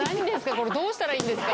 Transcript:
これどうしたらいいんですか？